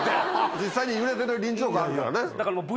実際に揺れてる臨場感あるからね。